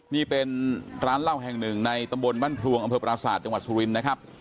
นี่เป็นร้านเหล้าแห่งหนึ่งในตำบลบ้านพลวงอำเภอปราศาสตร์จังหวัดสุรินทร์นะครับ